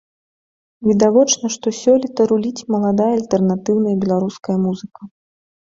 Відавочна, што сёлета руліць маладая альтэрнатыўная беларуская музыка.